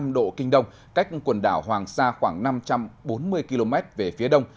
một trăm một mươi bảy năm độ kinh đông cách quần đảo hoàng sa khoảng năm trăm bốn mươi km về phía đông